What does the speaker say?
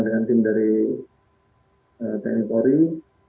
sedang konsolidasi untuk menjelaskan hal tersebut